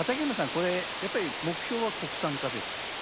これやっぱり目標は国産化ですか？